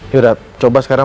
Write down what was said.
yaudah coba sekarang